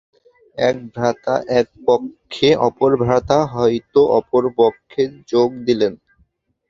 এক ভ্রাতা এক পক্ষে, অপর ভ্রাতা হয়তো অপর পক্ষে যোগ দিলেন।